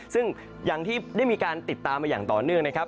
ซึ่งอย่างที่ได้มีการติดตามมาอย่างต่อเนื่องนะครับ